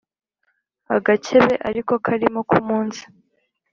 agakebe ari ko karimo k ' umunsi